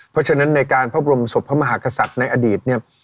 เพราะฉะนั้นในการพระบรมศพพระมหากษัตริย์ในอดีตเนี่ย